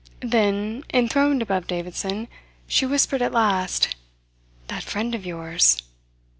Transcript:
Then, enthroned above Davidson, she whispered at last: "That friend of yours."